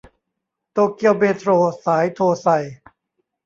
โตเกียวเมโทรสายโทไซ